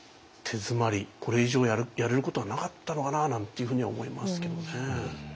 これ以上やれることはなかったのかなあなんていうふうには思いますけどね。